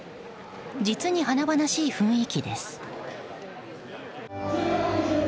実に華々しい雰囲気です。